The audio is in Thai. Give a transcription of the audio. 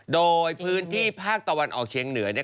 โดยพื้นที่ภาคตะวันออกเชียงเหนือ